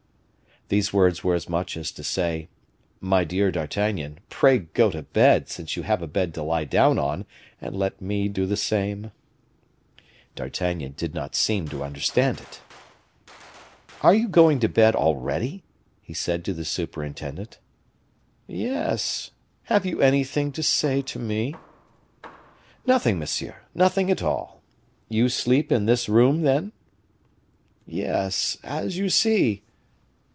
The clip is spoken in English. These words were as much as to say, "My dear D'Artagnan, pray go to bed, since you have a bed to lie down on, and let me do the same." D'Artagnan did not seem to understand it. "Are you going to bed already?" he said to the superintendent. "Yes; have you anything to say to me?" "Nothing, monsieur, nothing at all. You sleep in this room, then?" "Yes; as you see."